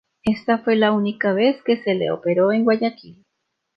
Esta fue la única vez que se lo operó en Guayaquil.